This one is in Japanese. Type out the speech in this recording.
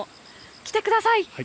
来てください。